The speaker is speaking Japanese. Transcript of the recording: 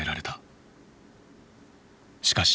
しかし。